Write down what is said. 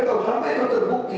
kalau sampai itu terbukti